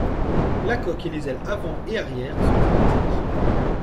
La coque et les ailes avant et arrière sont identiques.